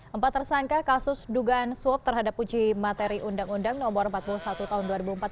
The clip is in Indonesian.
empat tersangka kasus dugaan suap terhadap uji materi undang undang no empat puluh satu tahun dua ribu empat belas